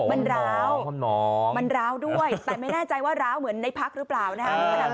มันร้าวมันร้าวด้วยแต่ไม่แน่ใจว่าร้าวเหมือนในพักหรือเปล่านะครับ